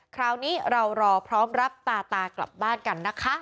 คราวนี้เรารอพร้อมรับตาตากลับบ้านกันนะคะ